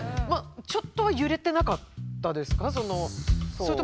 ちょっとは揺れてなかったですか？